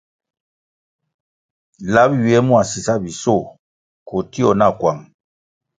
Lap ywie mua sisabisoh koh tio na kwang.